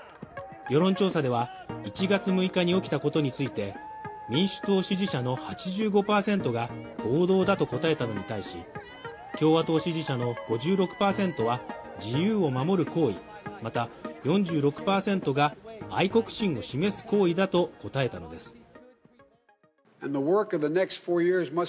世論調査では１月６日に起きたことについて民主党支持者の８５％が暴動だと答えたのに対し、共和党支持者の５６％は自由を守る行為、また４６％が愛国心を示す行為だと答えたのです。